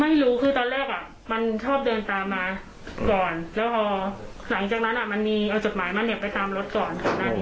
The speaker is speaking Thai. ไม่รู้คือตอนแรกมันชอบเดินตามมาก่อนหลังจากนั้นมันเอาจดหมายมาเน็บไปตามรถก่อน